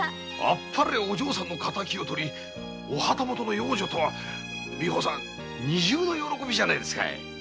見事お嬢さんの敵をとりお旗本の養女とは美保さん二重の喜びじゃないすか。